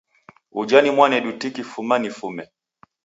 Uja ni mwanedu tiki fuma nifume.